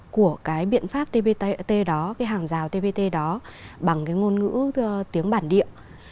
của biện pháp tbt đó hàng rào tbt đó bằng ngôn ngữ tiếng bản địa